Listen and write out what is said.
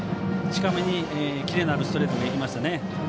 近めにキレのあるストレートが行きましたね。